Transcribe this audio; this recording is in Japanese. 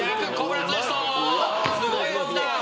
すごい動きだ！